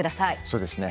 そうですね。